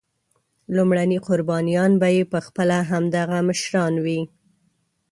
لومړني قربانیان به یې پخپله همدغه مشران وي.